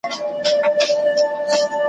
په کابل کي سراج الاخبار تاسیس کړ